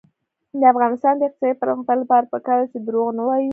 د افغانستان د اقتصادي پرمختګ لپاره پکار ده چې دروغ ونه وایو.